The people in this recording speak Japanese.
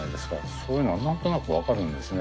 そういうのが何となく分かるんですね。